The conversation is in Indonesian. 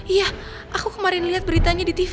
iya aku kemarin lihat beritanya di tv